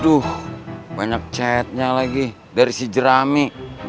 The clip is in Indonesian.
aduh banyak chatnya lagi dari si jerami